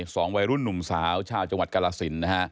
สองวัยรุ่นนุ่มสาวชาวจังหวัดกรรศิลป์